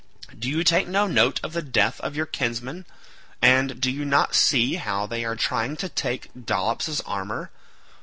do you take no note of the death of your kinsman, and do you not see how they are trying to take Dolops's armour?